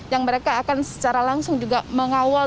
yang mereka akan secara langsung juga mengawal